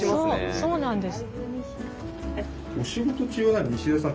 そうなんです。